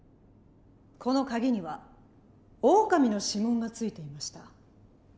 このカギにはオオカミの指紋がついていました。